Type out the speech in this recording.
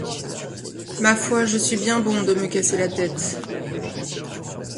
Ma foi, je suis bien bon de me casser la tête!